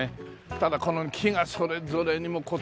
ただこの木がそれぞれにこう手入れが。